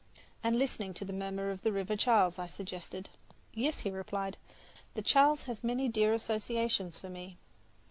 "And listening to the murmur of the River Charles," I suggested. "Yes," he replied, "the Charles has many dear associations for me."